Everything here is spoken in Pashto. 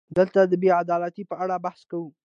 دلته د بې عدالتۍ په اړه بحث کوو.